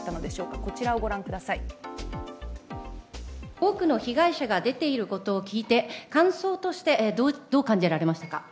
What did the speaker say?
多くの被害者が出ていることを聞いて感想としてどう感じられましたか？